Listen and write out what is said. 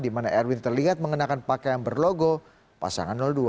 dimana erwin terlihat mengenakan pakaian berlogo pasangan dua